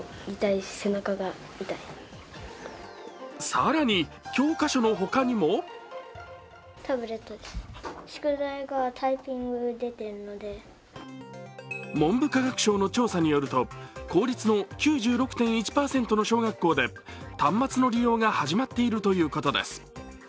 更に、教科書のほかにも文部科学省の調査によると、公立の９６．１％の小学校で端末の利用が始まっているといういことです。